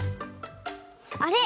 あれ？